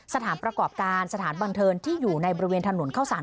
สถานประกอบการสถานบันเทิงที่อยู่ในบริเวณถนนเข้าสาร